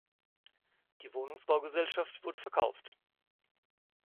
Die Wohnungsbaugesellschaft wurde verkauft.